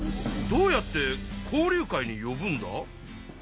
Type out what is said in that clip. どうやって交流会によぶんだ？